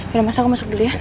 udah mas aku masuk dulu ya